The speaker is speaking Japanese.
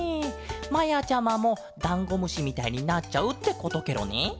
まやちゃまもだんごむしみたいになっちゃうってことケロね。